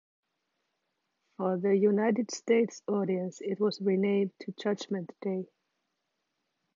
For the United States audience, it was renamed to "Judgment Day".